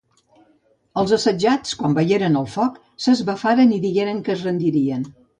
Els assetjats, quan veieren el foc, s'esbafaren i digueren que es rendirien.